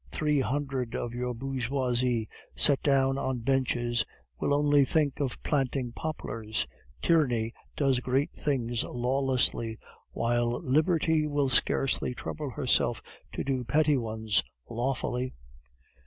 Three hundred of your bourgeoisie, set down on benches, will only think of planting poplars. Tyranny does great things lawlessly, while Liberty will scarcely trouble herself to do petty ones lawfully."